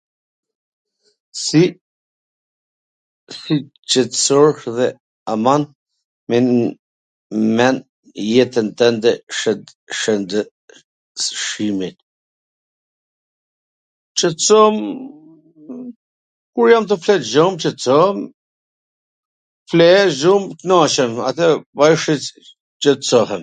Si qetsohesh dhe a mban mend jetwn twnde shwndetshimit? [?} Qetsohem kur jam tu flet gjum qetsohem, fle gjum, knaqem, ajo wsht qetsohem...